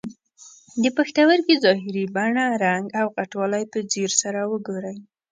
د پښتورګي ظاهري بڼه، رنګ او غټوالی په ځیر سره وګورئ.